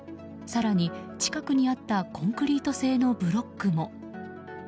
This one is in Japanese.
更に近くにあったコンクリート製のブロックも。